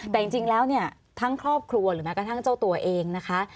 แต่จริงแล้วเนี่ยทั้งครอบครัวหรือแม้กระทั่งเจ้าตัวเองนะคะ